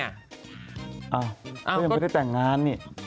ท่านยังไม่ได้แต่งงาน